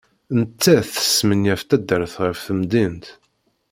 Nettat tesmenyaf taddart ɣef temdint.